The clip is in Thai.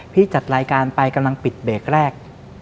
จัดรายการไปกำลังปิดเบรกแรก